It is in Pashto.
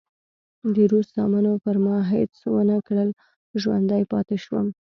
د روس زامنو پر ما هېڅ ونه کړل، ژوندی پاتې شوم.